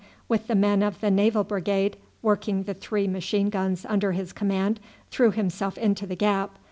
with the men of the Naval Brigade working the three machine guns under his command, threw himself into the gap.